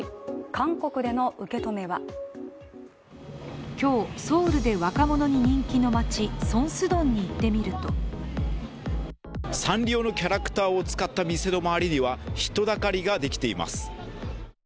韓国での受け止めは今日、ソウルで若者に人気の街、ソンスドンに行ってみるとサンリオのキャラクターを使った店の周りには人だかりができています。